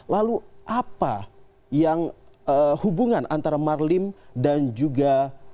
lalu apa yang hubungan antara marlim dan juga